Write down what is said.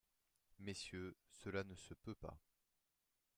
Messieurs, cela ne se peut pas.